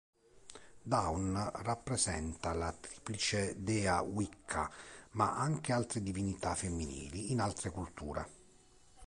Dawn rappresenta la triplice Dea Wicca ma anche altre divinità femminili in altre culture.